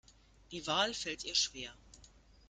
Die Wahl fällt ihr schwer.